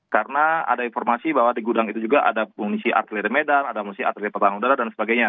karena ada informasi bahwa di gudang itu juga ada munisi artileri medan ada munisi artileri pebahan udara dan sebagainya